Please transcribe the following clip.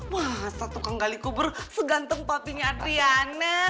wah satu tukang gali kubur seganteng papinya adriana